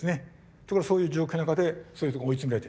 ところがそういう状況の中でそういうとこへ追い詰められて。